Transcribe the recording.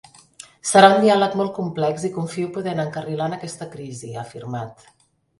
Serà un diàleg molt complex i confio poder anar encarrilant aquesta crisi, ha afirmat.